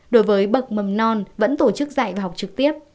đối với bậc mầm non vẫn tổ chức dạy và học trực tiếp